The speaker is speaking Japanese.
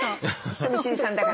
人見知りさんだから。